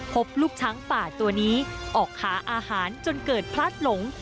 พบลูกช้างป่าตัวนี้ออกหาอาหารจนเกิดพลัดหลง